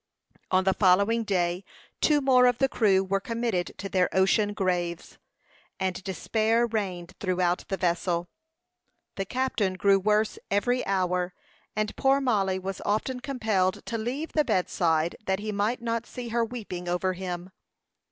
On the following day two more of the crew were committed to their ocean graves, and despair reigned throughout the vessel. The captain grew worse every hour, and poor Mollie was often compelled to leave the bedside that he might not see her weeping over him.